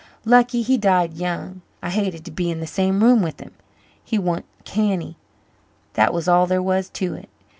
Lucky he died young. I hated to be in the same room with him he wa'n't canny, that was all there was to it.